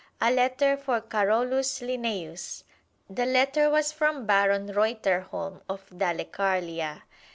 A letter for Carolus Linnæus! The letter was from Baron Reuterholm of Dalecarlia.